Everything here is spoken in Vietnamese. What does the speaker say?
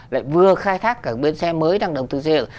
lại vừa khai thác các bến xe mới đang đồng tư xây dựng